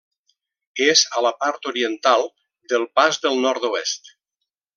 És a la part oriental del Pas del Nord-oest.